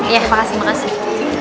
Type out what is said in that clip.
iya makasih makasih